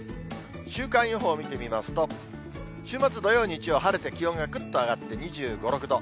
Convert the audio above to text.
週間予報を見てみますと、週末、土曜、日曜、晴れて気温がぐっと上がって２５、６度。